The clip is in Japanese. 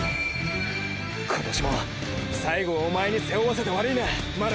今年も最後をおまえに背負わせて悪いな真波。